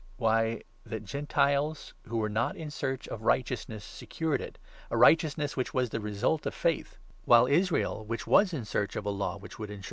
Why, that Gentiles, 30 or uraet'« who were not in search of righteousness, secured it Rejection. — a righteousness which was the result of faith ; while Israel, which was in search of a Law which would ensure 31 18 Exod.